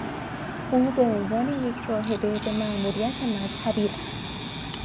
او به عنوان یک راهبه به ماموریت مذهبی رفت.